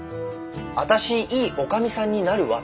「あたしいいおかみさんになるわ」